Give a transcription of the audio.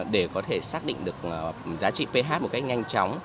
để có thể xác định được giá trị ph một cách nhanh chóng